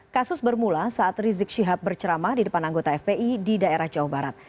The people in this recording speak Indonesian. kasus bermula saat rizik syihab berceramah di depan anggota fpi di daerah jawa barat